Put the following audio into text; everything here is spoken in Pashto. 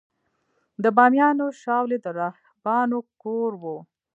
د بامیانو شاولې د راهبانو کور و